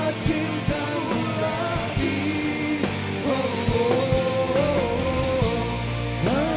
menjadi bintang kehidupan